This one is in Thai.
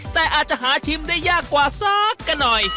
แต่อาจจะหาชิมได้ยากกว่าสักกันหน่อย